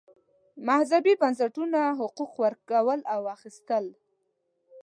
مذهبي بنسټونو حقوق ورکول او اخیستل.